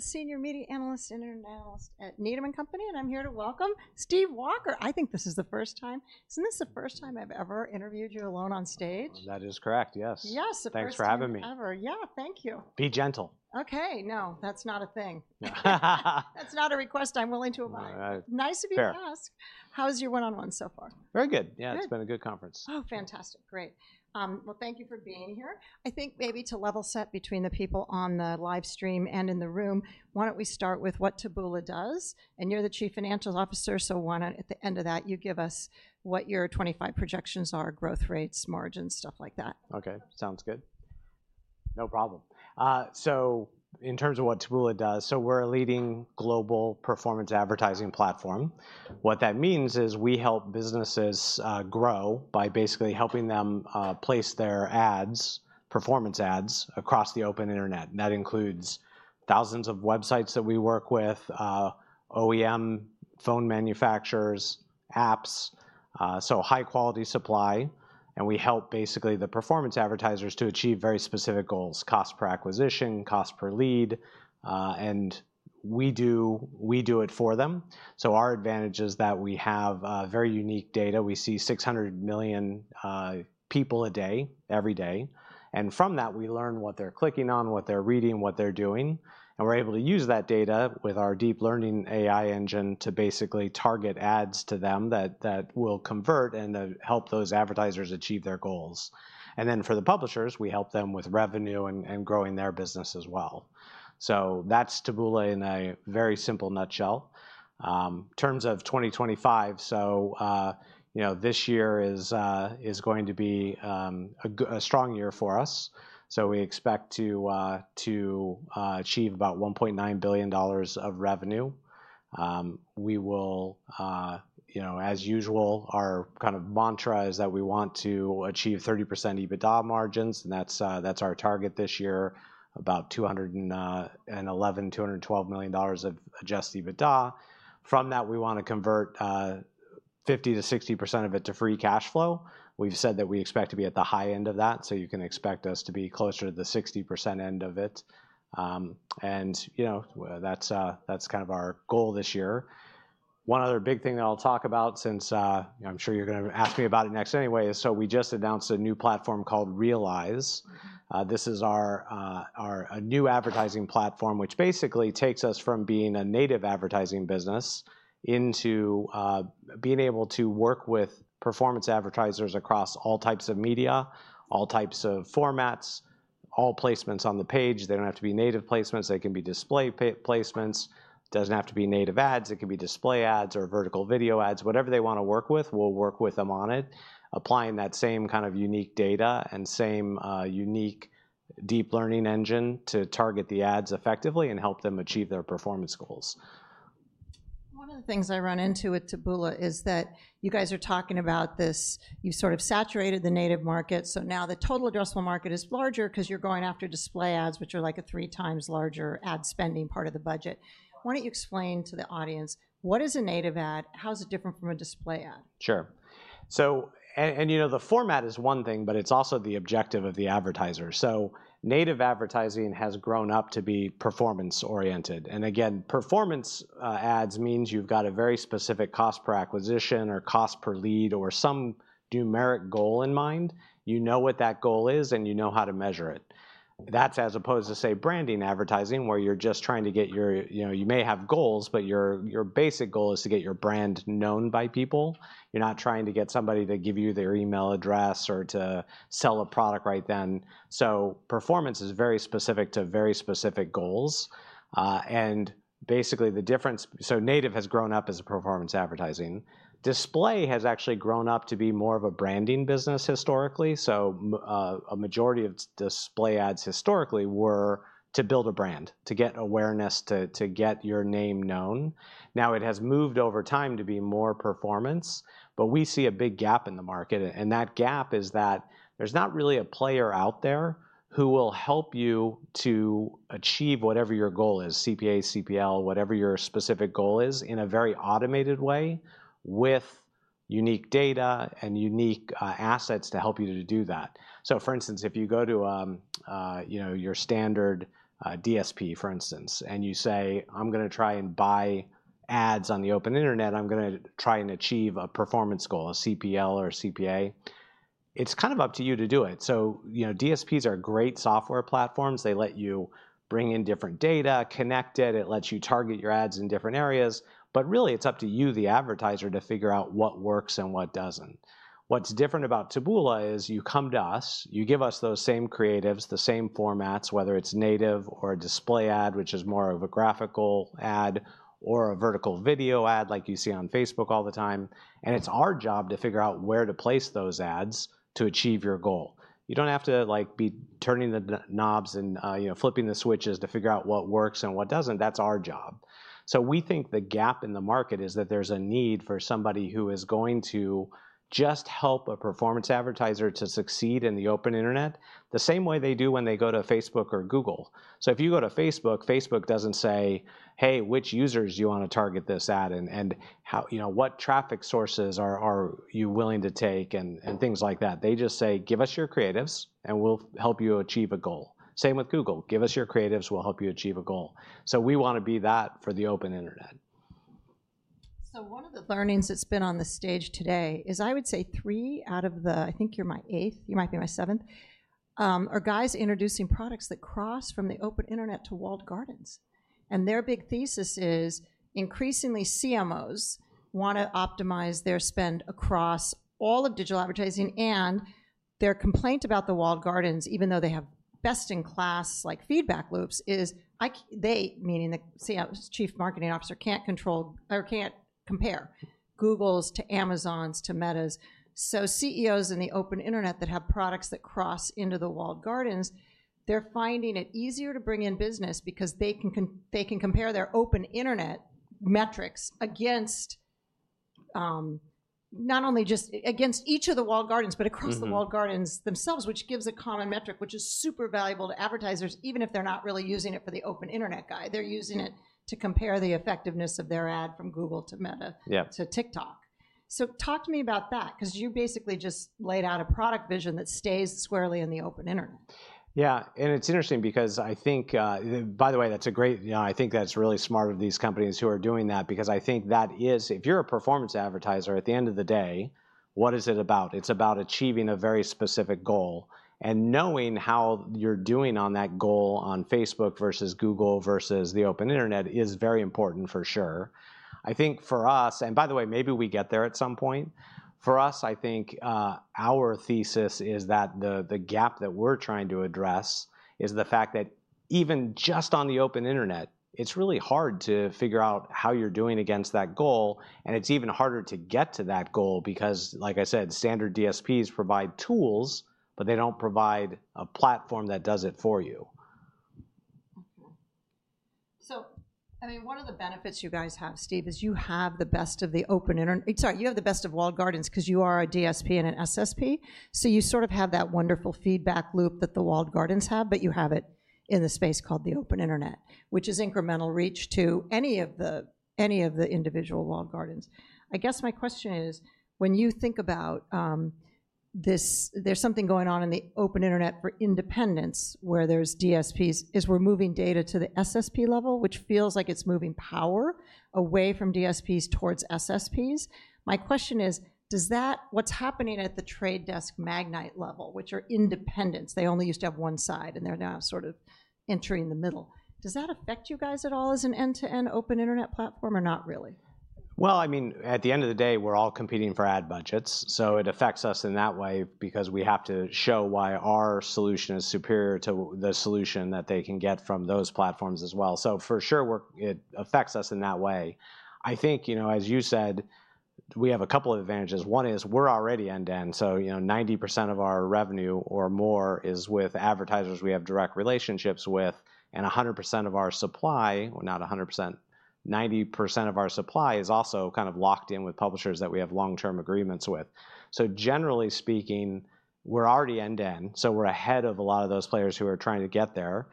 Senior Media Analyst and Internet Analyst at Needham & Company, and I'm here to welcome Stephen Walker. I think this is the first time. Isn't this the first time I've ever interviewed you alone on stage? That is correct, yes. Yes, the first time. Thanks for having me. Ever. Yeah, thank you. Be gentle. Okay, no, that's not a thing. That's not a request I'm willing to abide. All right. Nice of you to ask. How's your one-on-one so far? Very good. Yeah, it's been a good conference. Oh, fantastic. Great. Thank you for being here. I think maybe to level set between the people on the live stream and in the room, why don't we start with what Taboola does? You're the Chief Financial Officer, so why don't, at the end of that, you give us what your 2025 projections are, growth rates, margins, stuff like that. Okay, sounds good. No problem. In terms of what Taboola does, we're a leading global performance advertising platform. What that means is we help businesses grow by basically helping them place their ads, performance ads, across the open internet. That includes thousands of websites that we work with, OEM, phone manufacturers, apps, so high-quality supply. We help basically the performance advertisers to achieve very specific goals: cost per acquisition, cost per lead. We do it for them. Our advantage is that we have very unique data. We see 600 million people a day, every day. From that, we learn what they're clicking on, what they're reading, what they're doing. We're able to use that data with our deep learning AI engine to basically target ads to them that will convert and help those advertisers achieve their goals. For the publishers, we help them with revenue and growing their business as well. That is Taboola in a very simple nutshell. In terms of 2025, this year is going to be a strong year for us. We expect to achieve about $1.9 billion of revenue. Our kind of mantra is that we want to achieve 30% EBITDA margins, and that is our target this year, about $211 million to $212 million of adjusted EBITDA. From that, we want to convert 50% to 60% of it to free cash flow. We have said that we expect to be at the high end of that, so you can expect us to be closer to the 60% end of it. That is our goal this year. One other big thing that I'll talk about, since I'm sure you're going to ask me about it next anyway, is we just announced a new platform called Realize. This is our new advertising platform, which basically takes us from being a native advertising business into being able to work with performance advertisers across all types of media, all types of formats, all placements on the page. They do not have to be native placements; they can be display placements. It does not have to be native ads; it can be display ads or vertical video ads. Whatever they want to work with, we'll work with them on it, applying that same kind of unique data and same unique deep learning engine to target the ads effectively and help them achieve their performance goals. One of the things I run into with Taboola is that you guys are talking about this. You've sort of saturated the native market, so now the total addressable market is larger because you're going after display ads, which are like a three times larger ad spending part of the budget. Why don't you explain to the audience, what is a native ad? How is it different from a display ad? Sure. You know the format is one thing, but it's also the objective of the advertiser. Native advertising has grown up to be performance-oriented. Again, performance ads means you've got a very specific cost per acquisition or cost per lead or some numeric goal in mind. You know what that goal is, and you know how to measure it. That's as opposed to, say, branding advertising, where you may have goals, but your basic goal is to get your brand known by people. You're not trying to get somebody to give you their email address or to sell a product right then. Performance is very specific to very specific goals. Basically, the difference, native has grown up as a performance advertising. Display has actually grown up to be more of a branding business historically. A majority of display ads historically were to build a brand, to get awareness, to get your name known. Now it has moved over time to be more performance, but we see a big gap in the market. That gap is that there's not really a player out there who will help you to achieve whatever your goal is, CPAs, CPL, whatever your specific goal is, in a very automated way with unique data and unique assets to help you to do that. For instance, if you go to your standard DSP, for instance, and you say, "I'm going to try and buy ads on the open internet, I'm going to try and achieve a performance goal, a CPL or a CPAs," it's kind of up to you to do it. DSPs are great software platforms. They let you bring in different data, connect it, it lets you target your ads in different areas. Really, it's up to you, the advertiser, to figure out what works and what doesn't. What's different about Taboola is you come to us, you give us those same creatives, the same formats, whether it's native or a display ad, which is more of a graphical ad, or a vertical video ad like you see on Facebook all the time. It's our job to figure out where to place those ads to achieve your goal. You don't have to be turning the knobs and flipping the switches to figure out what works and what doesn't. That's our job. We think the gap in the market is that there's a need for somebody who is going to just help a performance advertiser to succeed in the open internet the same way they do when they go to Facebook or Google. If you go to Facebook, Facebook doesn't say, "Hey, which users do you want to target this ad? And what traffic sources are you willing to take?" and things like that. They just say, "Give us your creatives, and we'll help you achieve a goal." Same with Google. "Give us your creatives, we'll help you achieve a goal." We want to be that for the open internet. One of the learnings that's been on the stage today is I would say three out of the, I think you're my eighth, you might be my seventh, are guys introducing products that cross from the open internet to walled gardens. Their big thesis is increasingly CMOs want to optimize their spend across all of digital advertising. Their complaint about the walled gardens, even though they have best-in-class feedback loops, is they, meaning the CMOs, Chief Marketing Officer, can't compare Google's to Amazon's to Meta's. CEOs in the open internet that have products that cross into the walled gardens, they're finding it easier to bring in business because they can compare their open internet metrics against not only just against each of the walled gardens, but across the walled gardens themselves, which gives a common metric, which is super valuable to advertisers, even if they're not really using it for the open internet guy. They're using it to compare the effectiveness of their ad from Google to Meta to TikTok. Talk to me about that, because you basically just laid out a product vision that stays squarely in the open internet. Yeah, and it's interesting because I think, by the way, that's a great, I think that's really smart of these companies who are doing that, because I think that is, if you're a performance advertiser, at the end of the day, what is it about? It's about achieving a very specific goal. Knowing how you're doing on that goal on Facebook versus Google versus the open internet is very important for sure. I think for us, and by the way, maybe we get there at some point, for us, I think our thesis is that the gap that we're trying to address is the fact that even just on the open internet, it's really hard to figure out how you're doing against that goal. It's even harder to get to that goal because, like I said, standard DSPs provide tools, but they don't provide a platform that does it for you. Okay. So I mean, one of the benefits you guys have, Steve, is you have the best of the open internet, sorry, you have the best of walled gardens because you are a DSP and an SSP. You sort of have that wonderful feedback loop that the walled gardens have, but you have it in the space called the open internet, which is incremental reach to any of the individual walled gardens. I guess my question is, when you think about this, there's something going on in the open internet for independence, where there's DSPs, is we're moving data to the SSP level, which feels like it's moving power away from DSPs towards SSPs. My question is, does that, what's happening at The Trade Desk magnate level, which are independents, they only used to have one side, and they're now sort of entering the middle, does that affect you guys at all as an end-to-end open internet platform or not really? At the end of the day, we're all competing for ad budgets. It affects us in that way because we have to show why our solution is superior to the solution that they can get from those platforms as well. For sure, it affects us in that way. I think, as you said, we have a couple of advantages. One is we're already end-to-end, so 90% of our revenue or more is with advertisers we have direct relationships with, and 100% of our supply, not 100%, 90% of our supply is also kind of locked in with publishers that we have long-term agreements with. Generally speaking, we're already end-to-end, so we're ahead of a lot of those players who are trying to get there.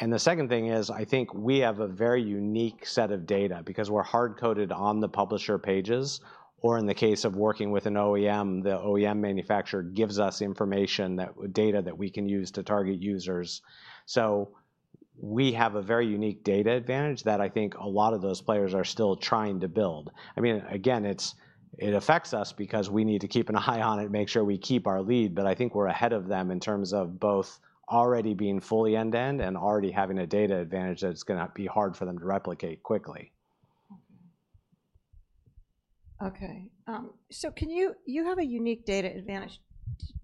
The second thing is, I think we have a very unique set of data because we're hard-coded on the publisher pages, or in the case of working with an OEM, the OEM manufacturer gives us information, data that we can use to target users. We have a very unique data advantage that I think a lot of those players are still trying to build. I mean, again, it affects us because we need to keep an eye on it, make sure we keep our lead, but I think we're ahead of them in terms of both already being fully end-to-end and already having a data advantage that's going to be hard for them to replicate quickly. Okay. Okay. So you have a unique data advantage.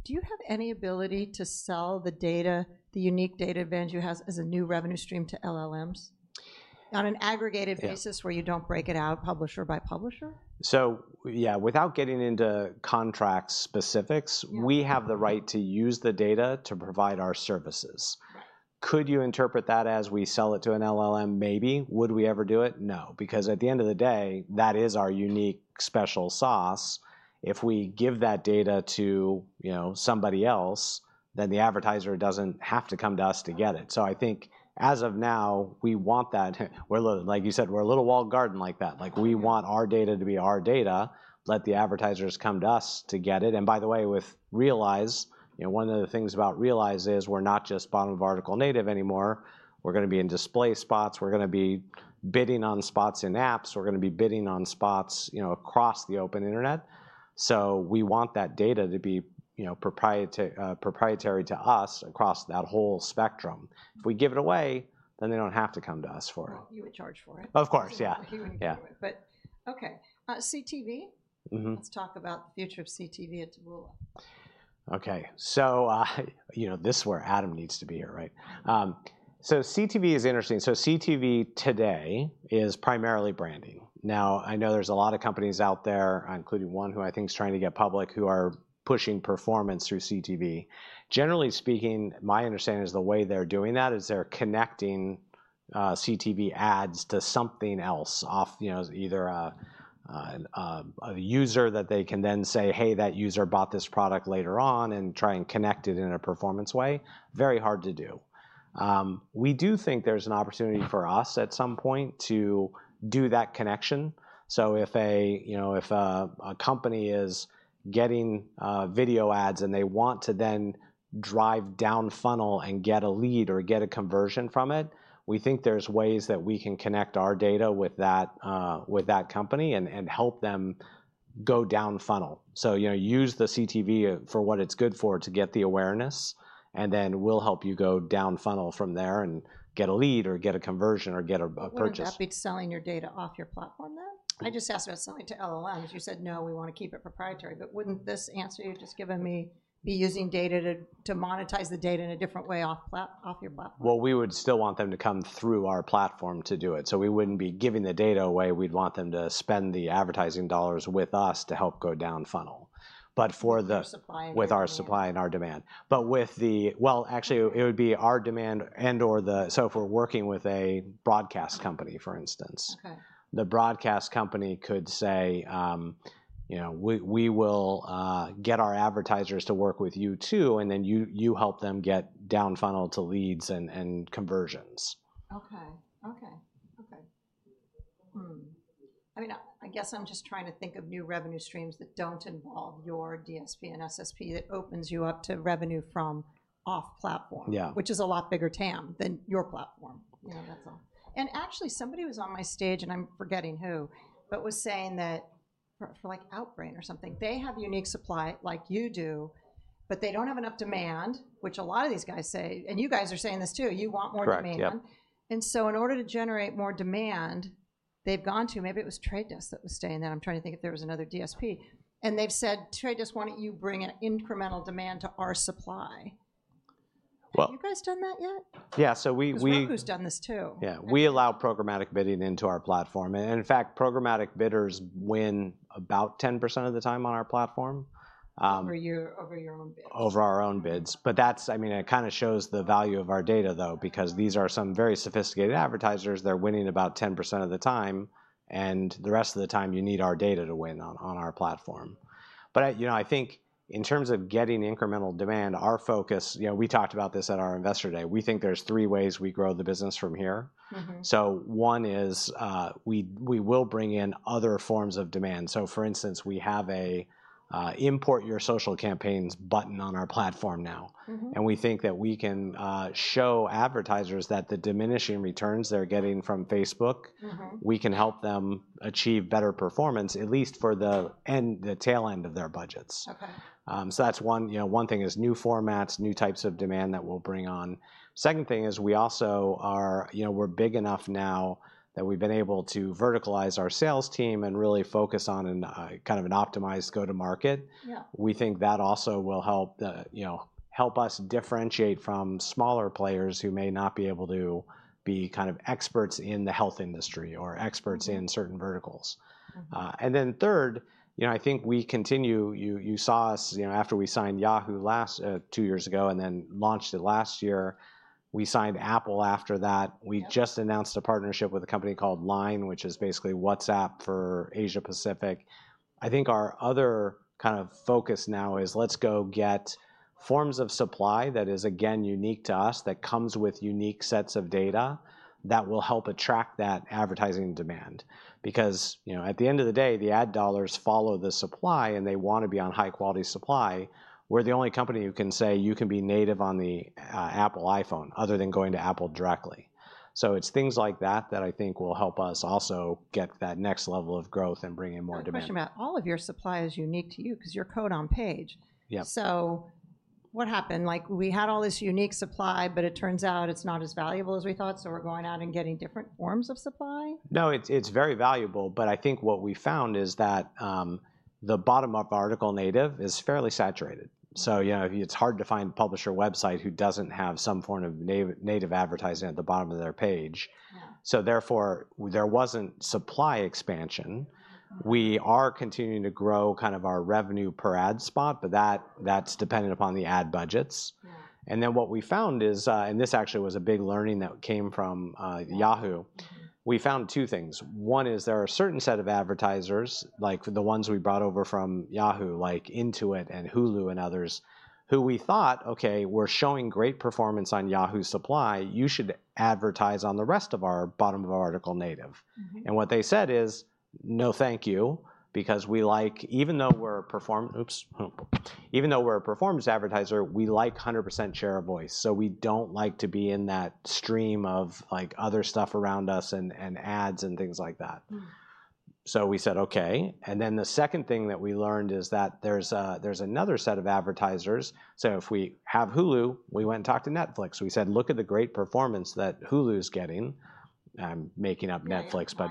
Do you have any ability to sell the data, the unique data advantage you have as a new revenue stream to LLMs on an aggregated basis where you do not break it out publisher by publisher? Yeah, without getting into contract specifics, we have the right to use the data to provide our services. Could you interpret that as we sell it to an LLM? Maybe. Would we ever do it? No, because at the end of the day, that is our unique special sauce. If we give that data to somebody else, then the advertiser does not have to come to us to get it. I think as of now, we want that. Like you said, we are a little walled garden like that. We want our data to be our data. Let the advertisers come to us to get it. By the way, with Realize, one of the things about Realize is we are not just bottom of article native anymore. We are going to be in display spots. We are going to be bidding on spots in apps. We're going to be bidding on spots across the open internet. We want that data to be proprietary to us across that whole spectrum. If we give it away, then they don't have to come to us for it. You would charge for it. Of course, yeah. Okay. CTV. Let's talk about the future of CTV at Taboola. Okay. This is where Adam needs to be here, right? CTV is interesting. CTV today is primarily branding. Now, I know there are a lot of companies out there, including one who I think is trying to get public, who are pushing performance through CTV. Generally speaking, my understanding is the way they are doing that is they are connecting CTV ads to something else, either a user that they can then say, "Hey, that user bought this product later on," and try and connect it in a performance way. Very hard to do. We do think there is an opportunity for us at some point to do that connection. If a company is getting video ads and they want to then drive down funnel and get a lead or get a conversion from it, we think there's ways that we can connect our data with that company and help them go down funnel. Use the CTV for what it's good for to get the awareness, and then we'll help you go down funnel from there and get a lead or get a conversion or get a purchase. Are you happy selling your data off your platform then? I just asked about selling to LLMs. You said, "No, we want to keep it proprietary." Wouldn't this answer you just giving me be using data to monetize the data in a different way off your platform? We would still want them to come through our platform to do it. We would not be giving the data away. We would want them to spend the advertising dollars with us to help go down funnel with our supply and our demand. Actually, it would be our demand and/or the, so if we are working with a broadcast company, for instance, the broadcast company could say, "We will get our advertisers to work with you too, and then you help them get down funnel to leads and conversions. Okay. Okay. Okay. I mean, I guess I'm just trying to think of new revenue streams that don't involve your DSP and SSP that opens you up to revenue from off platform, which is a lot bigger TAM than your platform. Yeah, that's all. Actually, somebody was on my stage, and I'm forgetting who, but was saying that for Outbrain or something, they have unique supply like you do, but they don't have enough demand, which a lot of these guys say, and you guys are saying this too, you want more demand. In order to generate more demand, they've gone to, maybe it was The Trade Desk that was staying there. I'm trying to think if there was another DSP. They've said, "The Trade Desk, why don't you bring an incremental demand to our supply?" Have you guys done that yet? Yeah, so we. I think we've done this too. Yeah, we allow programmatic bidding into our platform. In fact, programmatic bidders win about 10% of the time on our platform. Over your own bids. Over our own bids. I mean, it kind of shows the value of our data, though, because these are some very sophisticated advertisers. They're winning about 10% of the time, and the rest of the time you need our data to win on our platform. I think in terms of getting incremental demand, our focus, we talked about this at our investor day. We think there's three ways we grow the business from here. One is we will bring in other forms of demand. For instance, we have an import your social campaigns button on our platform now. We think that we can show advertisers that the diminishing returns they're getting from Facebook, we can help them achieve better performance, at least for the tail end of their budgets. That's one thing, new formats, new types of demand that we'll bring on. Second thing is we also are, we're big enough now that we've been able to verticalize our sales team and really focus on kind of an optimized go-to-market. We think that also will help us differentiate from smaller players who may not be able to be kind of experts in the health industry or experts in certain verticals. Third, I think we continue, you saw us after we signed Yahoo last two years ago and then launched it last year. We signed Apple after that. We just announced a partnership with a company called Line, which is basically WhatsApp for Asia-Pacific. I think our other kind of focus now is let's go get forms of supply that is, again, unique to us, that comes with unique sets of data that will help attract that advertising demand. Because at the end of the day, the ad dollars follow the supply, and they want to be on high-quality supply. We're the only company who can say you can be native on the Apple iPhone other than going to Apple directly. It is things like that that I think will help us also get that next level of growth and bring in more demand. Question about all of your supply is unique to you because your code on page. So what happened? We had all this unique supply, but it turns out it's not as valuable as we thought, so we're going out and getting different forms of supply? No, it's very valuable, but I think what we found is that the bottom-up article native is fairly saturated. It's hard to find a publisher website who doesn't have some form of native advertising at the bottom of their page. Therefore, there wasn't supply expansion. We are continuing to grow kind of our revenue per ad spot, but that's dependent upon the ad budgets. What we found is, and this actually was a big learning that came from Yahoo, we found two things. One is there are a certain set of advertisers, like the ones we brought over from Yahoo, like Intuit and Hulu and others, who we thought, "Okay, we're showing great performance on Yahoo supply. You should advertise on the rest of our bottom-of-article native." What they said is, "No, thank you, because we like, even though we're a performance advertiser, we like 100% share of voice. We don't like to be in that stream of other stuff around us and ads and things like that." We said, "Okay." The second thing that we learned is that there's another set of advertisers. If we have Hulu, we went and talked to Netflix. We said, "Look at the great performance that Hulu is getting." I'm making up Netflix, but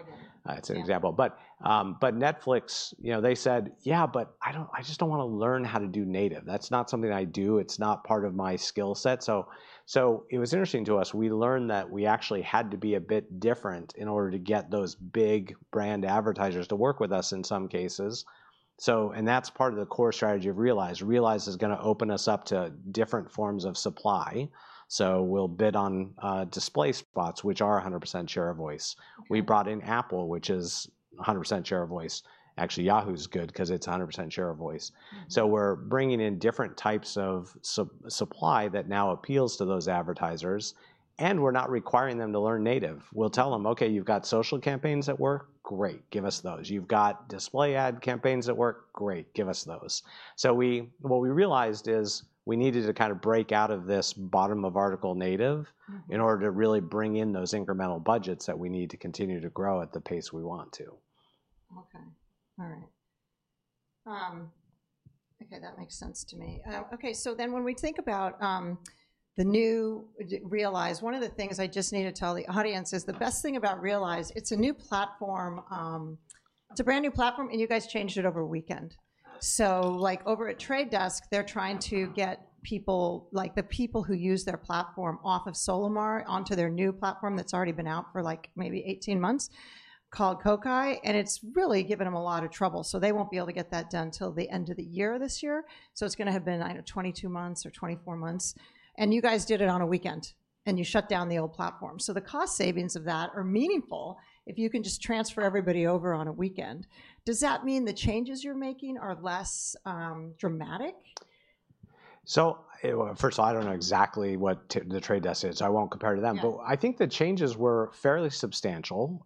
it's an example. Netflix, they said, "Yeah, but I just don't want to learn how to do native. That's not something I do. It's not part of my skill set." It was interesting to us. We learned that we actually had to be a bit different in order to get those big brand advertisers to work with us in some cases. That is part of the core strategy of Realize. Realize is going to open us up to different forms of supply. We will bid on display spots, which are 100% share of voice. We brought in Apple, which is 100% share of voice. Actually, Yahoo is good because it is 100% share of voice. We are bringing in different types of supply that now appeals to those advertisers, and we are not requiring them to learn native. We will tell them, "Okay, you have got social campaigns that work? Great. Give us those. You have got display ad campaigns that work? Great. Give us those." What we realized is we needed to kind of break out of this bottom-of-article native in order to really bring in those incremental budgets that we need to continue to grow at the pace we want to. Okay. All right. Okay, that makes sense to me. Okay, so then when we think about the new Realize, one of the things I just need to tell the audience is the best thing about Realize, it's a new platform. It's a brand new platform, and you guys changed it over a weekend. Over at The Trade Desk, they're trying to get people, the people who use their platform off of Solimar onto their new platform that's already been out for maybe 18 months called Kokai. It's really given them a lot of trouble. They won't be able to get that done until the end of the year this year. It's going to have been 22 months or 24 months. You guys did it on a weekend, and you shut down the old platform. So the cost savings of that are meaningful if you can just transfer everybody over on a weekend. Does that mean the changes you're making are less dramatic? First of all, I do not know exactly what the Trade Desk is. I will not compare to them. I think the changes were fairly substantial.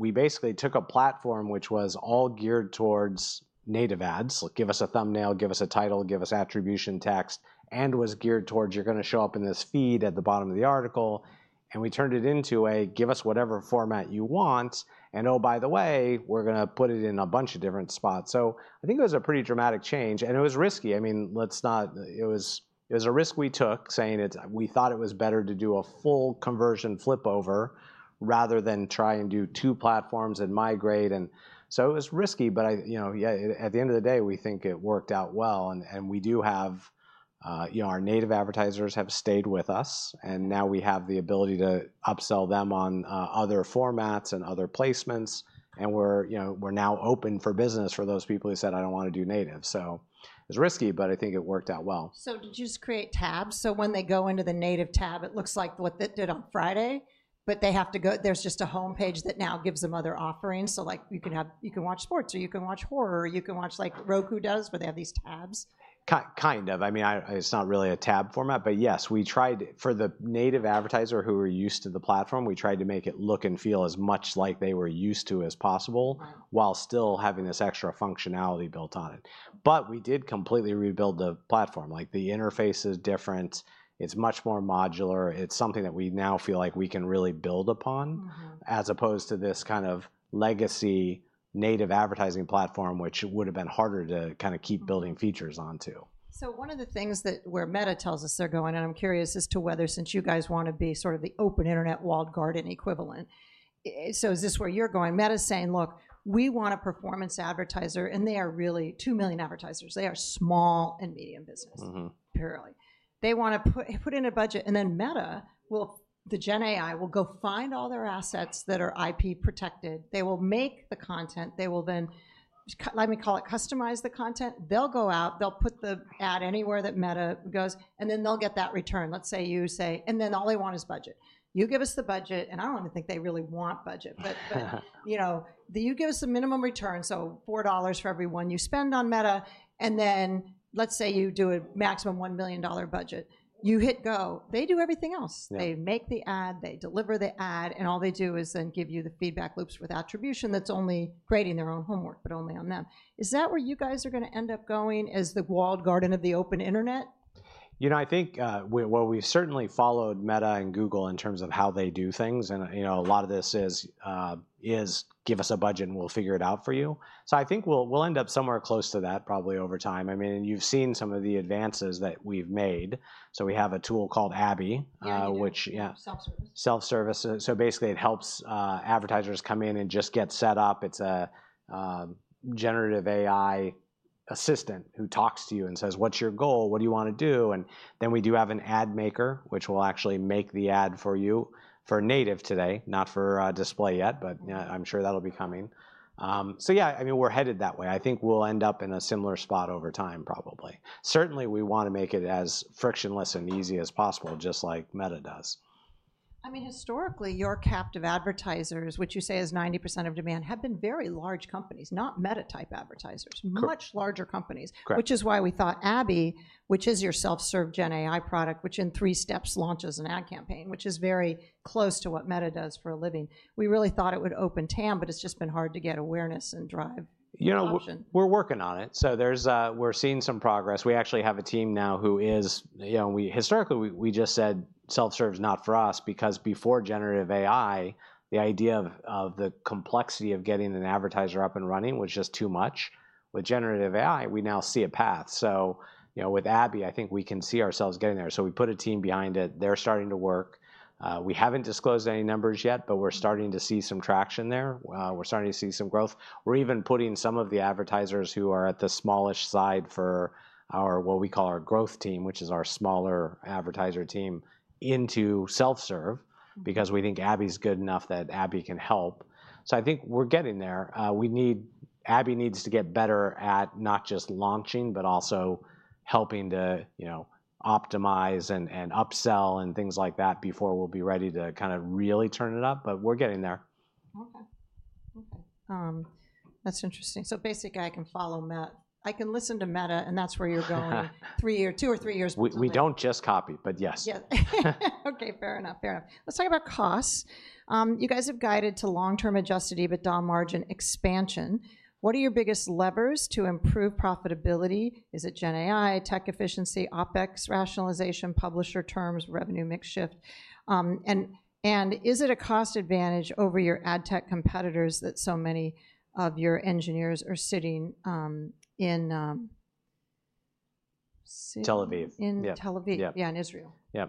We basically took a platform which was all geared towards native ads. Give us a thumbnail, give us a title, give us attribution text, and was geared towards you are going to show up in this feed at the bottom of the article. We turned it into a, "Give us whatever format you want. Oh, by the way, we are going to put it in a bunch of different spots." I think it was a pretty dramatic change. It was risky. I mean, it was a risk we took saying we thought it was better to do a full conversion flipover rather than try and do two platforms and migrate. It was risky, but at the end of the day, we think it worked out well. We do have our native advertisers have stayed with us. We now have the ability to upsell them on other formats and other placements. We are now open for business for those people who said, "I don't want to do native." It was risky, but I think it worked out well. Did you just create tabs? When they go into the native tab, it looks like what they did on Friday, but they have to go, there is just a homepage that now gives them other offerings. You can watch sports or you can watch horror. You can watch like Roku does where they have these tabs. Kind of. I mean, it's not really a tab format, but yes, we tried for the native advertiser who were used to the platform, we tried to make it look and feel as much like they were used to as possible while still having this extra functionality built on it. We did completely rebuild the platform. The interface is different. It's much more modular. It's something that we now feel like we can really build upon as opposed to this kind of legacy native advertising platform, which would have been harder to kind of keep building features onto. One of the things that where Meta tells us they're going, and I'm curious as to whether since you guys want to be sort of the open internet walled garden equivalent, is this where you're going? Meta's saying, "Look, we want a performance advertiser," and they are really 2 million advertisers. They are small and medium business, apparently. They want to put in a budget, and then Meta, the Gen AI, will go find all their assets that are IP protected. They will make the content. They will then, let me call it, customize the content. They'll go out, they'll put the ad anywhere that Meta goes, and then they'll get that return. Let's say you say, "And then all they want is budget. You give us the budget," and I don't even think they really want budget, but you give us a minimum return, so $4 for every one you spend on Meta. Then let's say you do a maximum $1 million budget. You hit go, they do everything else. They make the ad, they deliver the ad, and all they do is then give you the feedback loops with attribution that's only creating their own homework, but only on them. Is that where you guys are going to end up going as the walled garden of the open internet? You know, I think, well, we've certainly followed Meta and Google in terms of how they do things. A lot of this is, "Give us a budget and we'll figure it out for you." I think we'll end up somewhere close to that probably over time. I mean, you've seen some of the advances that we've made. We have a tool called Abby, which, yeah. Self-service. Self-service. Basically, it helps advertisers come in and just get set up. It's a generative AI assistant who talks to you and says, "What's your goal? What do you want to do?" We do have an ad maker, which will actually make the ad for you for native today, not for display yet, but I'm sure that'll be coming. Yeah, I mean, we're headed that way. I think we'll end up in a similar spot over time, probably. Certainly, we want to make it as frictionless and easy as possible, just like Meta does. I mean, historically, your captive advertisers, which you say is 90% of demand, have been very large companies, not Meta-type advertisers, much larger companies, which is why we thought Abby, which is your self-serve Gen AI product, which in three steps launches an ad campaign, which is very close to what Meta does for a living. We really thought it would open TAM, but it's just been hard to get awareness and drive attention. We're working on it. We're seeing some progress. We actually have a team now who is, historically, we just said self-serve, not for us, because before generative AI, the idea of the complexity of getting an advertiser up and running was just too much. With generative AI, we now see a path. With Abby, I think we can see ourselves getting there. We put a team behind it. They're starting to work. We haven't disclosed any numbers yet, but we're starting to see some traction there. We're starting to see some growth. We're even putting some of the advertisers who are at the smallest side for what we call our growth team, which is our smaller advertiser team, into self-serve because we think Abby's good enough that Abby can help. I think we're getting there. Abby needs to get better at not just launching, but also helping to optimize and upsell and things like that before we'll be ready to kind of really turn it up. We are getting there. Okay. Okay. That's interesting. So basically, I can follow Meta. I can listen to Meta, and that's where you're going two or three years before. We do not just copy, but yes. Yeah. Okay, fair enough. Fair enough. Let's talk about costs. You guys have guided to long-term adjusted EBITDA margin expansion. What are your biggest levers to improve profitability? Is it Gen AI, tech efficiency, OpEx rationalization, publisher terms, revenue mix shift? Is it a cost advantage over your ad tech competitors that so many of your engineers are sitting in? Tel Aviv. In Tel Aviv, yeah, in Israel. Yeah.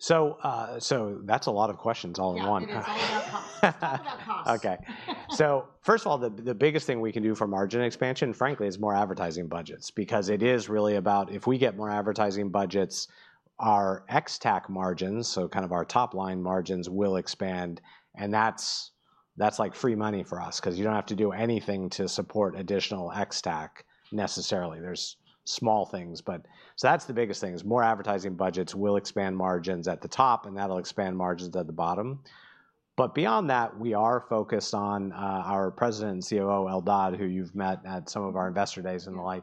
That's a lot of questions all in one. Yeah, it is all about costs. All about costs. Okay. First of all, the biggest thing we can do for margin expansion, frankly, is more advertising budgets because it is really about if we get more advertising budgets, our XTAC margins, so kind of our top line margins, will expand. That is like free money for us because you do not have to do anything to support additional XTAC necessarily. There are small things, but that is the biggest thing. More advertising budgets will expand margins at the top, and that will expand margins at the bottom. Beyond that, we are focused on our President and COO, Eldad, who you have met at some of our investor days and the like.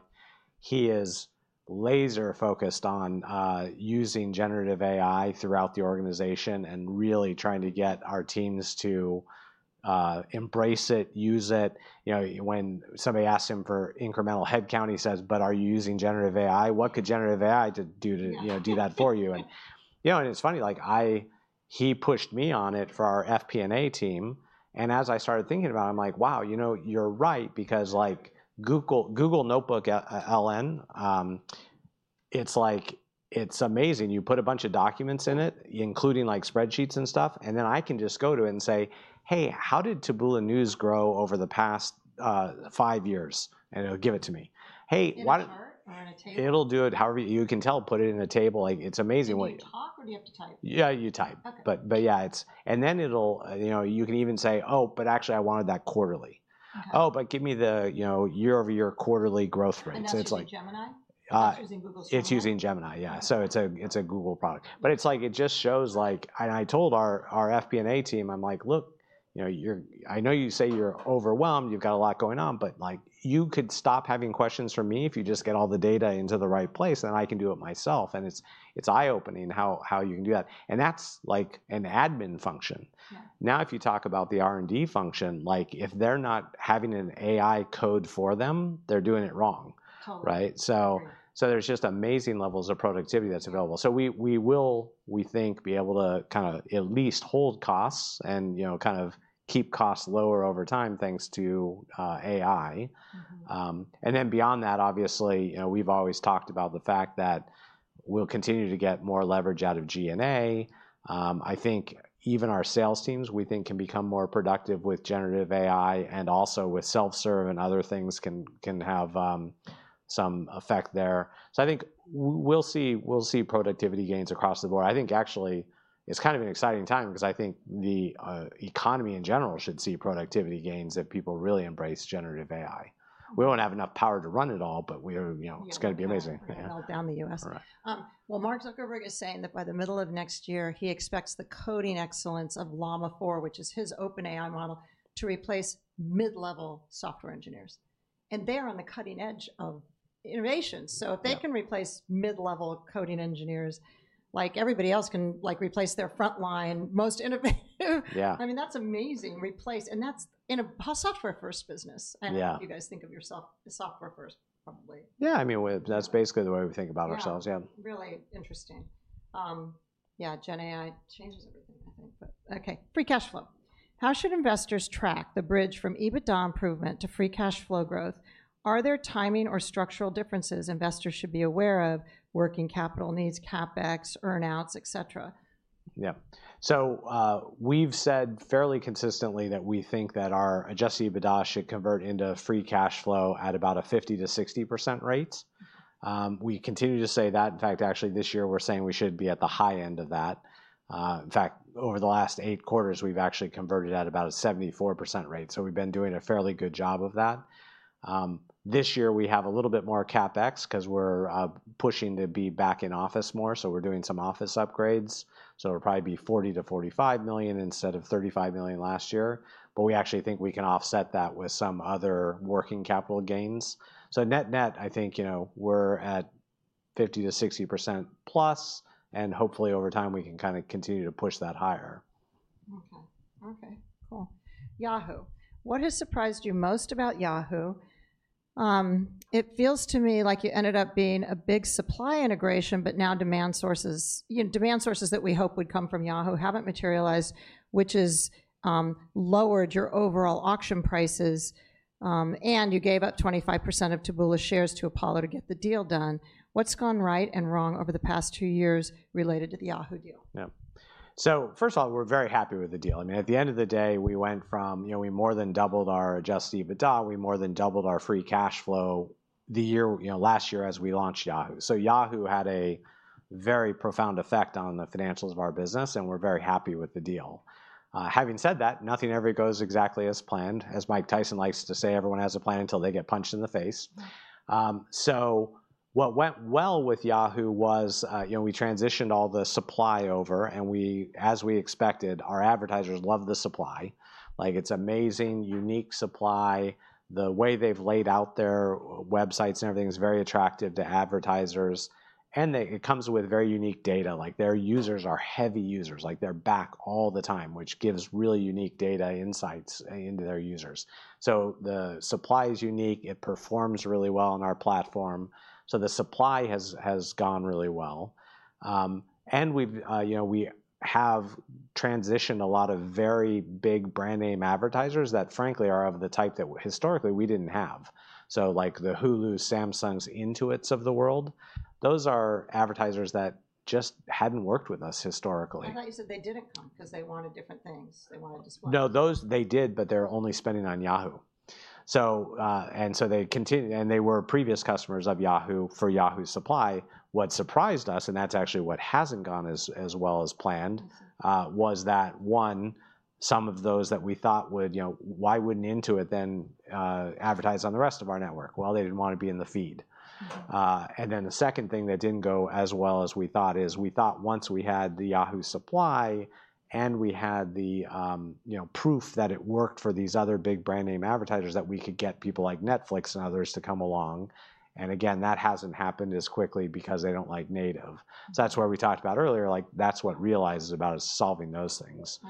He is laser-focused on using generative AI throughout the organization and really trying to get our teams to embrace it, use it. When somebody asks him for incremental headcount, he says, "But are you using generative AI? What could generative AI do to do that for you?" It's funny, he pushed me on it for our FP&A team. As I started thinking about it, I'm like, "Wow, you know, you're right because Google Notebook LN, it's like it's amazing. You put a bunch of documents in it, including spreadsheets and stuff, and then I can just go to it and say, 'Hey, how did Taboola News grow over the past five years?'" It will give it to me. Does it chart or on a table? It'll do it however you can tell, put it in a table. It's amazing. Do you have to talk or do you have to type? Yeah, you type. But yeah, and then you can even say, "Oh, but actually I wanted that quarterly. Oh, but give me the year-over-year quarterly growth rate. That's using Gemini? It's using Google Store. It's using Gemini, yeah. So it's a Google product. But it's like it just shows like, and I told our FP&A team, I'm like, "Look, I know you say you're overwhelmed, you've got a lot going on, but you could stop having questions for me if you just get all the data into the right place, and I can do it myself." It's eye-opening how you can do that. That's like an admin function. Now, if you talk about the R&D function, if they're not having an AI code for them, they're doing it wrong, right? There's just amazing levels of productivity that's available. We will, we think, be able to kind of at least hold costs and kind of keep costs lower over time thanks to AI. Obviously, we've always talked about the fact that we'll continue to get more leverage out of GNA. I think even our sales teams, we think, can become more productive with generative AI and also with self-serve and other things can have some effect there. I think we'll see productivity gains across the board. I think actually it's kind of an exciting time because I think the economy in general should see productivity gains if people really embrace generative AI. We won't have enough power to run it all, but it's going to be amazing. Down the U.S. Mark Zuckerberg is saying that by the middle of next year, he expects the coding excellence of Llama 4, which is his open AI model, to replace mid-level software engineers. They're on the cutting edge of innovation. If they can replace mid-level coding engineers, like everybody else can replace their frontline most innovative, I mean, that's amazing replace. That's in a software-first business. I don't know if you guys think of yourself as software-first probably. Yeah, I mean, that's basically the way we think about ourselves, yeah. Really interesting. Yeah, Gen AI changes everything, I think, but okay. Free cash flow. How should investors track the bridge from EBITDA improvement to free cash flow growth? Are there timing or structural differences investors should be aware of? Working capital needs, CapEx, earnouts, etc. Yeah. So we've said fairly consistently that we think that our adjusted EBITDA should convert into free cash flow at about a 50-60% rate. We continue to say that. In fact, actually this year we're saying we should be at the high end of that. In fact, over the last eight quarters, we've actually converted at about a 74% rate. So we've been doing a fairly good job of that. This year we have a little bit more CapEx because we're pushing to be back in office more. So we're doing some office upgrades. It'll probably be $40-45 million instead of $35 million last year. We actually think we can offset that with some other working capital gains. Net-net, I think we're at 50-60% plus, and hopefully over time we can kind of continue to push that higher. Okay. Okay. Cool. Yahoo. What has surprised you most about Yahoo? It feels to me like you ended up being a big supply integration, but now demand sources that we hope would come from Yahoo haven't materialized, which has lowered your overall auction prices, and you gave up 25% of Taboola's shares to Apollo to get the deal done. What's gone right and wrong over the past two years related to the Yahoo deal? Yeah. So first of all, we're very happy with the deal. I mean, at the end of the day, we went from, we more than doubled our adjusted EBITDA, we more than doubled our free cash flow last year as we launched Yahoo. Yahoo had a very profound effect on the financials of our business, and we're very happy with the deal. Having said that, nothing ever goes exactly as planned. As Mike Tyson likes to say, everyone has a plan until they get punched in the face. What went well with Yahoo was we transitioned all the supply over, and as we expected, our advertisers love the supply. It's amazing, unique supply. The way they've laid out their websites and everything is very attractive to advertisers. It comes with very unique data. Their users are heavy users. They're back all the time, which gives really unique data insights into their users. The supply is unique. It performs really well on our platform. The supply has gone really well. We have transitioned a lot of very big brand name advertisers that, frankly, are of the type that historically we didn't have. Like the Hulu, Samsung, Intuit of the world, those are advertisers that just hadn't worked with us historically. I thought you said they didn't come because they wanted different things. They wanted to swap. No, they did, but they're only spending on Yahoo. They continued, and they were previous customers of Yahoo for Yahoo supply. What surprised us, and that's actually what hasn't gone as well as planned, was that, one, some of those that we thought would, why wouldn't Intuit then advertise on the rest of our network? They didn't want to be in the feed. The second thing that didn't go as well as we thought is we thought once we had the Yahoo supply and we had the proof that it worked for these other big brand name advertisers that we could get people like Netflix and others to come along. That hasn't happened as quickly because they don't like native. That's why we talked about earlier, that's what Realize is about, us solving those things.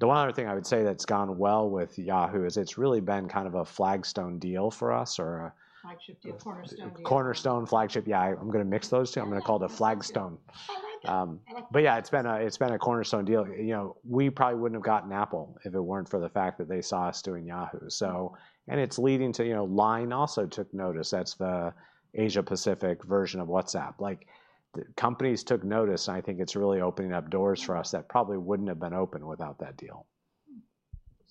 The one other thing I would say that's gone well with Yahoo is it's really been kind of a flagstone deal for us or a. Flagship deal, cornerstone deal. Cornerstone, flagship, yeah. I'm going to mix those two. I'm going to call it a flagstone. Yeah, it's been a cornerstone deal. We probably wouldn't have gotten Apple if it weren't for the fact that they saw us doing Yahoo. It's leading to Line also took notice. That's the Asia-Pacific version of WhatsApp. Companies took notice, and I think it's really opening up doors for us that probably wouldn't have been open without that deal.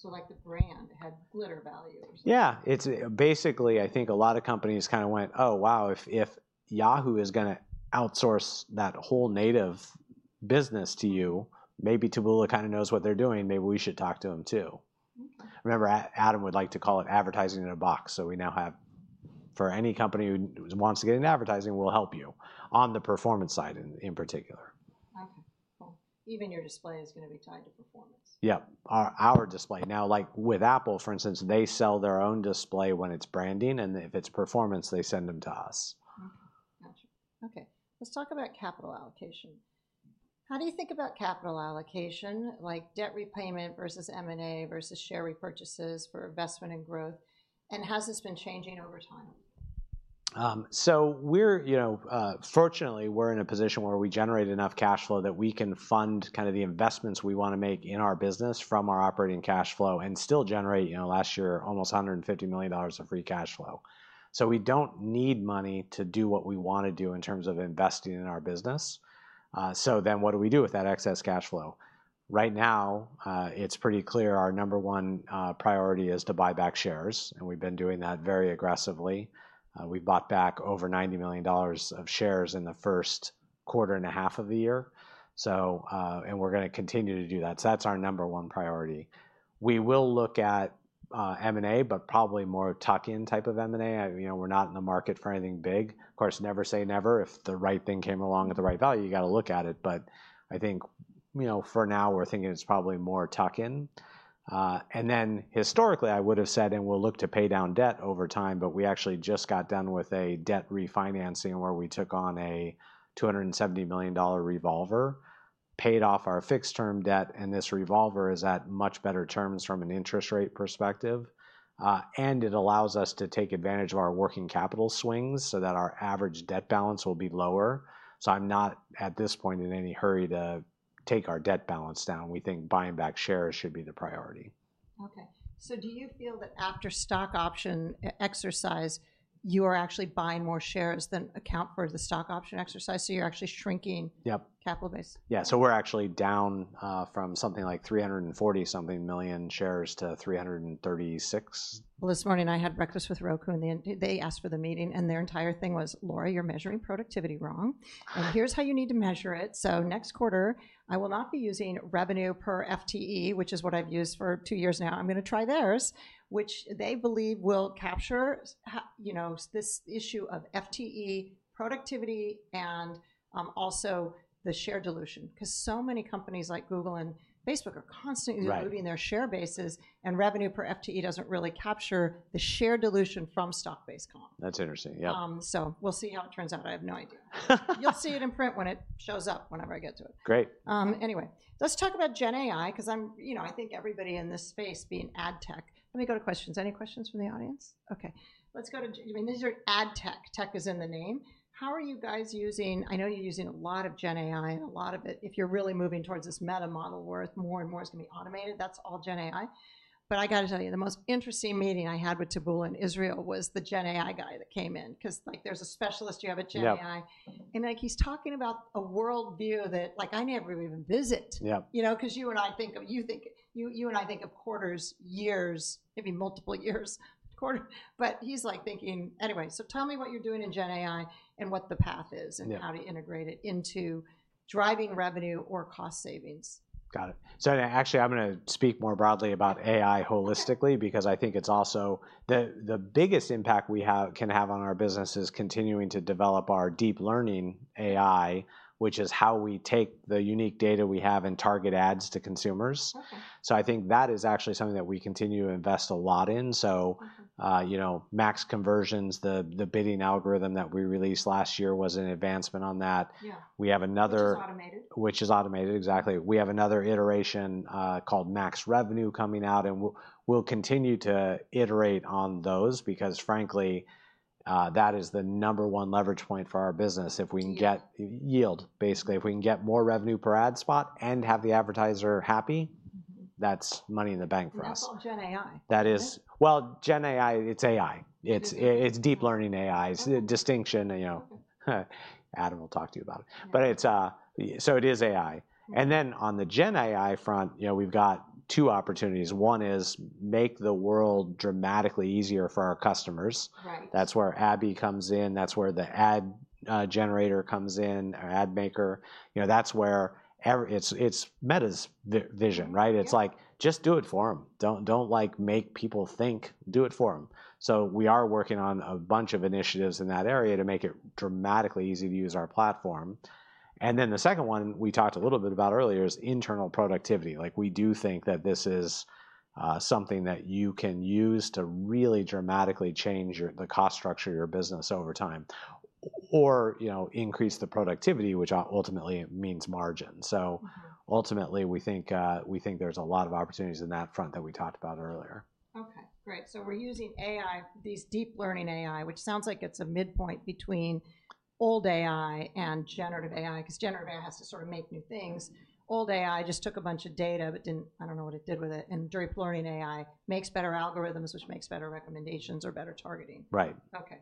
Like the brand had glitter value or something. Yeah. Basically, I think a lot of companies kind of went, "Oh, wow, if Yahoo is going to outsource that whole native business to you, maybe Taboola kind of knows what they're doing, maybe we should talk to them too." Remember, Adam would like to call it advertising in a box. We now have, for any company who wants to get into advertising, we'll help you on the performance side in particular. Okay. Cool. Even your display is going to be tied to performance. Yep. Our display. Now, with Apple, for instance, they sell their own display when it's branding, and if it's performance, they send them to us. Gotcha. Okay. Let's talk about capital allocation. How do you think about capital allocation, like debt repayment versus M&A versus share repurchases for investment and growth? Has this been changing over time? Fortunately, we're in a position where we generate enough cash flow that we can fund kind of the investments we want to make in our business from our operating cash flow and still generate last year almost $150 million of free cash flow. We don't need money to do what we want to do in terms of investing in our business. What do we do with that excess cash flow? Right now, it's pretty clear our number one priority is to buy back shares, and we've been doing that very aggressively. We bought back over $90 million of shares in the first quarter and a half of the year. We're going to continue to do that. That's our number one priority. We will look at M&A, but probably more tuck-in type of M&A. We're not in the market for anything big. Of course, never say never. If the right thing came along at the right value, you got to look at it. I think for now, we're thinking it's probably more tuck-in. Historically, I would have said, and we'll look to pay down debt over time, but we actually just got done with a debt refinancing where we took on a $270 million revolver, paid off our fixed-term debt, and this revolver is at much better terms from an interest rate perspective. It allows us to take advantage of our working capital swings so that our average debt balance will be lower. I'm not at this point in any hurry to take our debt balance down. We think buying back shares should be the priority. Okay. Do you feel that after stock option exercise, you are actually buying more shares than account for the stock option exercise? You are actually shrinking capital base? Yeah. So we're actually down from something like 340-something million shares to 336. This morning I had breakfast with Roku, and they asked for the meeting, and their entire thing was, "Laura, you're measuring productivity wrong. Here's how you need to measure it. Next quarter, I will not be using revenue per FTE, which is what I've used for two years now. I'm going to try theirs," which they believe will capture this issue of FTE productivity and also the share dilution. Because so many companies like Google and Meta are constantly diluting their share bases, and revenue per FTE does not really capture the share dilution from stock-based comp. That's interesting, yeah. We'll see how it turns out. I have no idea. You'll see it in print when it shows up whenever I get to it. Great. Anyway, let's talk about Gen AI because I think everybody in this space being ad tech. Let me go to questions. Any questions from the audience? Okay. Let's go to, I mean, these are ad tech. Tech is in the name. How are you guys using, I know you're using a lot of Gen AI and a lot of it, if you're really moving towards this meta model where more and more is going to be automated, that's all Gen AI. I got to tell you, the most interesting meeting I had with Taboola in Israel was the Gen AI guy that came in because there's a specialist you have at Gen AI. He's talking about a worldview that I never even visit. You and I think of, you think, you and I think of quarters, years, maybe multiple years, quarter. He's thinking, anyway, so tell me what you're doing in Gen AI and what the path is and how to integrate it into driving revenue or cost savings. Got it. Actually, I'm going to speak more broadly about AI holistically because I think it's also the biggest impact we can have on our business is continuing to develop our deep learning AI, which is how we take the unique data we have and target ads to consumers. I think that is actually something that we continue to invest a lot in. Max Conversions, the bidding algorithm that we released last year, was an advancement on that. We have another. Which is automated. Which is automated, exactly. We have another iteration called Max Revenue coming out, and we'll continue to iterate on those because, frankly, that is the number one leverage point for our business. If we can get yield, basically, if we can get more revenue per ad spot and have the advertiser happy, that's money in the bank for us. What do you call Gen AI? That is, well, Gen AI, it's AI. It's deep learning AI. It's a distinction. Adam will talk to you about it. But so it is AI. And then on the Gen AI front, we've got two opportunities. One is make the world dramatically easier for our customers. That's where Abby comes in. That's where the ad generator comes in, or ad maker. That's where it's Meta's vision, right? It's like, just do it for them. Don't make people think. Do it for them. We are working on a bunch of initiatives in that area to make it dramatically easy to use our platform. The second one we talked a little bit about earlier is internal productivity. We do think that this is something that you can use to really dramatically change the cost structure of your business over time or increase the productivity, which ultimately means margin. Ultimately, we think there's a lot of opportunities in that front that we talked about earlier. Okay. Great. So we're using AI, these deep learning AI, which sounds like it's a midpoint between old AI and generative AI because generative AI has to sort of make new things. Old AI just took a bunch of data, but didn't, I don't know what it did with it. And deep learning AI makes better algorithms, which makes better recommendations or better targeting. Right. Okay.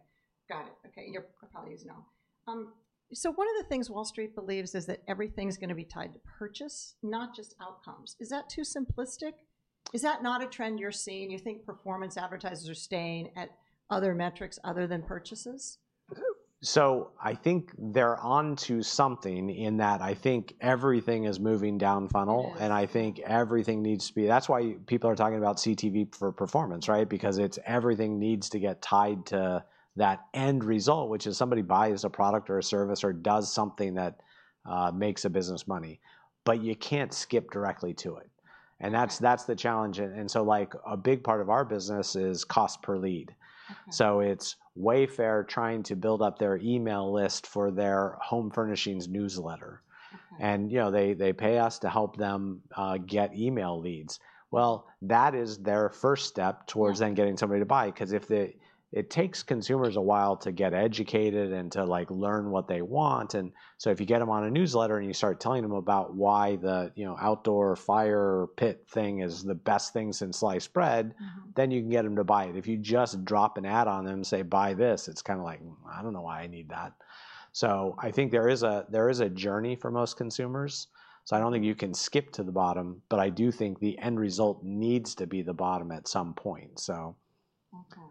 Got it. Okay. You're probably using all. One of the things Wall Street believes is that everything's going to be tied to purchase, not just outcomes. Is that too simplistic? Is that not a trend you're seeing? You think performance advertisers are staying at other metrics other than purchases? I think they're on to something in that I think everything is moving down funnel, and I think everything needs to be, that's why people are talking about CTV for performance, right? Because everything needs to get tied to that end result, which is somebody buys a product or a service or does something that makes a business money. You can't skip directly to it. That's the challenge. A big part of our business is cost per lead. It's Wayfair trying to build up their email list for their home furnishings newsletter. They pay us to help them get email leads. That is their first step towards then getting somebody to buy. It takes consumers a while to get educated and to learn what they want. If you get them on a newsletter and you start telling them about why the outdoor fire pit thing is the best thing since sliced bread, then you can get them to buy it. If you just drop an ad on them, say, "Buy this," it is kind of like, "I do not know why I need that." I think there is a journey for most consumers. I do not think you can skip to the bottom, but I do think the end result needs to be the bottom at some point. Okay.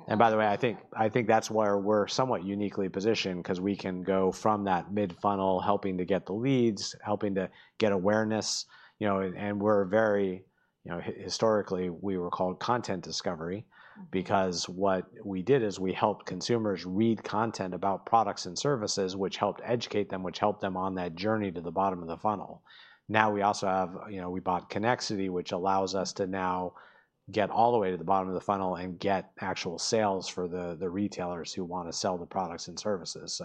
Okay. By the way, I think that's where we're somewhat uniquely positioned because we can go from that mid-funnel helping to get the leads, helping to get awareness. Historically, we were called content discovery because what we did is we helped consumers read content about products and services, which helped educate them, which helped them on that journey to the bottom of the funnel. Now we also have, we bought Connexity, which allows us to now get all the way to the bottom of the funnel and get actual sales for the retailers who want to sell the products and services.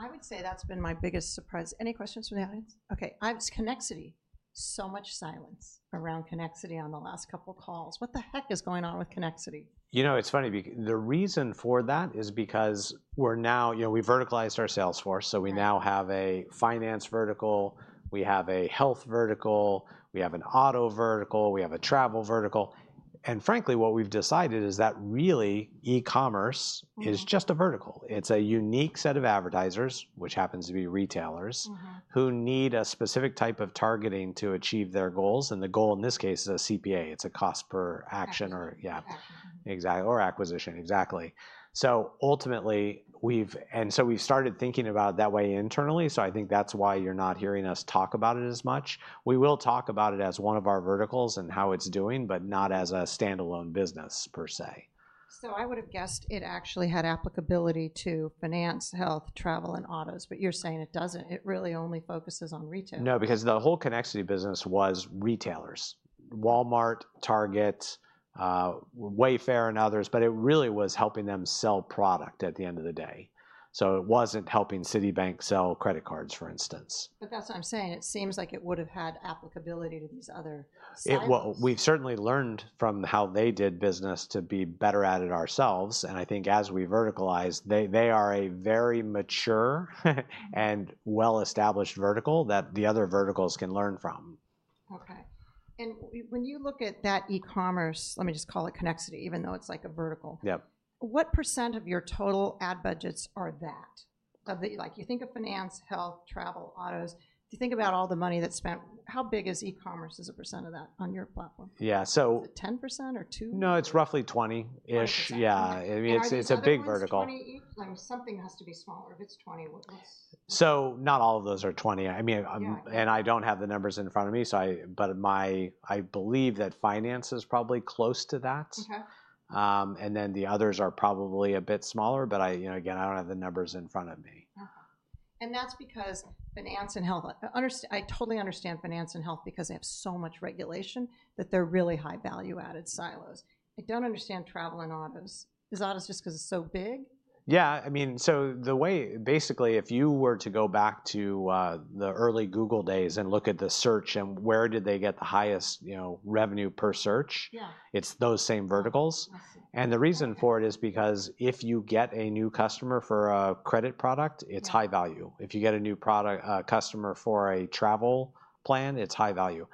I would say that's been my biggest surprise. Any questions from the audience? Okay. How is Connexity? So much silence around Connexity on the last couple of calls. What the heck is going on with Connexity? You know, it's funny because the reason for that is because we're now, we verticalized our sales force. We now have a finance vertical. We have a health vertical. We have an auto vertical. We have a travel vertical. Frankly, what we've decided is that really e-commerce is just a vertical. It's a unique set of advertisers, which happens to be retailers, who need a specific type of targeting to achieve their goals. The goal in this case is a CPA. It's a cost per action or, yeah, exactly, or acquisition, exactly. Ultimately, we've started thinking about it that way internally. I think that's why you're not hearing us talk about it as much. We will talk about it as one of our verticals and how it's doing, but not as a standalone business per se. I would have guessed it actually had applicability to finance, health, travel, and autos, but you're saying it doesn't. It really only focuses on retail. No, because the whole Connexity business was retailers: Walmart, Target, Wayfair, and others, but it really was helping them sell product at the end of the day. It was not helping Citibank sell credit cards, for instance. That's what I'm saying. It seems like it would have had applicability to these other sites. We've certainly learned from how they did business to be better at it ourselves. I think as we verticalize, they are a very mature and well-established vertical that the other verticals can learn from. Okay. When you look at that e-commerce, let me just call it Connexity, even though it's like a vertical, what percent of your total ad budgets are that? You think of finance, health, travel, autos. If you think about all the money that's spent, how big is e-commerce as a % of that on your platform? Is it 10% or 2%? No, it's roughly 20-ish. Yeah. I mean, it's a big vertical. If it's 20 each, then something has to be smaller. If it's 20, what's? Not all of those are 20. I mean, and I don't have the numbers in front of me, but I believe that finance is probably close to that. The others are probably a bit smaller, but again, I don't have the numbers in front of me. That's because finance and health, I totally understand finance and health because they have so much regulation that they're really high-value-added silos. I don't understand travel and autos. Is autos just because it's so big? Yeah. I mean, the way basically, if you were to go back to the early Google days and look at the search and where did they get the highest revenue per search, it's those same verticals. The reason for it is because if you get a new customer for a credit product, it's high value. If you get a new customer for a travel plan, it's high value.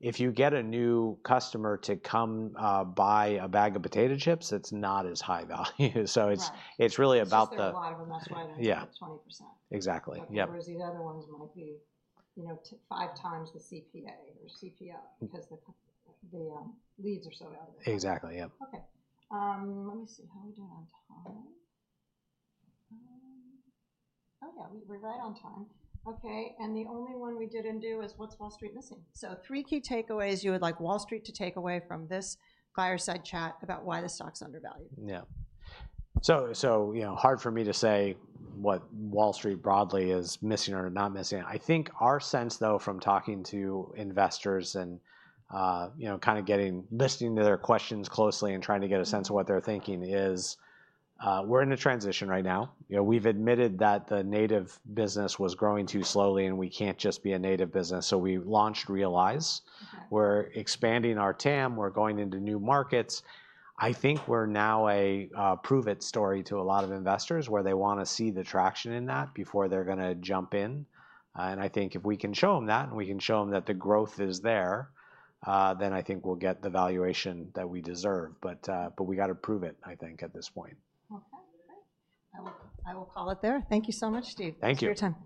If you get a new customer to come buy a bag of potato chips, it's not as high value. It's really about the. A lot of them, that's why they're 20%. Exactly. Yeah. Whereas the other ones might be five times the CPA or CPO because the leads are so elevated. Exactly, yeah. Okay. Let me see how we did on time. Oh yeah, we're right on time. Okay. The only one we didn't do is what's Wall Street missing? Three key takeaways you would like Wall Street to take away from this fireside chat about why the stock's undervalued. Yeah. So hard for me to say what Wall Street broadly is missing or not missing. I think our sense, though, from talking to investors and kind of listening to their questions closely and trying to get a sense of what they're thinking is we're in a transition right now. We've admitted that the native business was growing too slowly and we can't just be a native business. We launched Realize. We're expanding our TAM. We're going into new markets. I think we're now a prove-it story to a lot of investors where they want to see the traction in that before they're going to jump in. I think if we can show them that and we can show them that the growth is there, then I think we'll get the valuation that we deserve. We got to prove it, I think, at this point. Okay. Great. I will call it there. Thank you so much, Steve. Thank you. For your time.